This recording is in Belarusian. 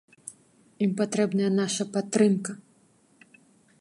Ім патрэбная наша падтрымка!